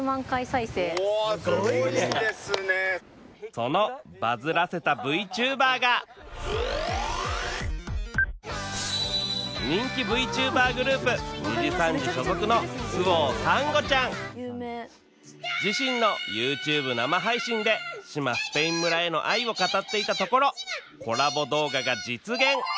そのバズらせたＶＴｕｂｅｒが自身のＹｏｕＴｕｂｅ生配信で志摩スペイン村への愛を語っていたところコラボ動画が実現